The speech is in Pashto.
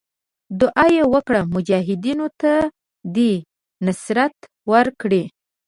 دعا یې وکړه مجاهدینو ته دې نصرت ورکړي.